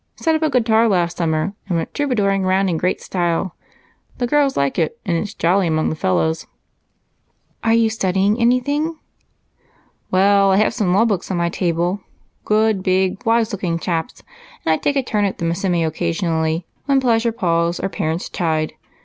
Set up a guitar last summer and went troubadouring round in great style. The girls like it, and it's jolly among the fellows." "Are you studying anything?" "Well, I have some lawbooks on my table good, big, wise looking chaps and I take a turn at them semioccasionally when pleasure palls or parents chide.